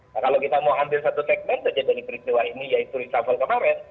nah kalau kita mau ambil satu segmen saja dari peristiwa ini yaitu reshuffle kemarin